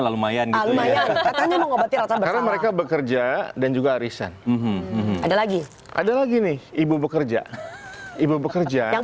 lumayan lumayan mereka bekerja dan juga arisan ada lagi lagi nih ibu bekerja ibu bekerja yang